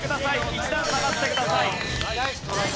１段下がってください。